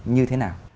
như thế nào